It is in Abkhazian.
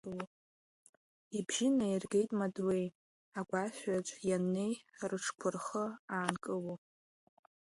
Ибжьы наиргеит Мадлеи, агәашәаҿ ианнеи рыҽқәа рхы аанкыло.